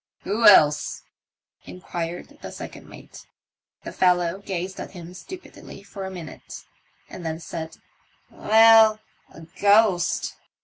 " Who else ?" inquired the second mate. The fellow gazed at him stupidly for a minute, and then said, " Well, a ghost."